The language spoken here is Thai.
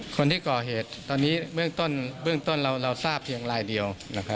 คนที่ก่อเหตุตอนนี้เบื้องต้นเราทราบเพียงลายเดียว